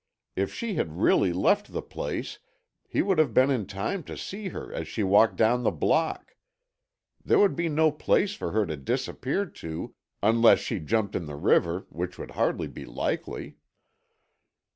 If she had really left the place he would have been in time to see her as she walked down the block. There would be no place for her to disappear to unless she jumped in the river, which would hardly be likely."